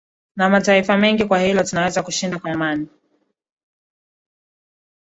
na mataifa mengine kwa hilo tunaweza kushinda kwa amani